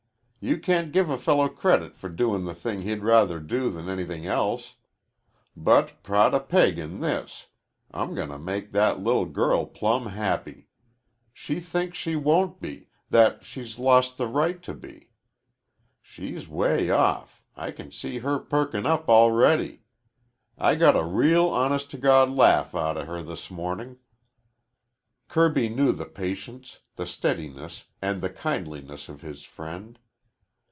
You can't give a fellow credit for doin' the thing he'd rather do than anything else. But prod a peg in this. I'm gonna make that li'l' girl plumb happy. She thinks she won't be, that she's lost the right to be. She's 'way off, I can see her perkin' up already. I got a real honest to God laugh outa her this mo'nin'." Kirby knew the patience, the steadiness, and the kindliness of his friend.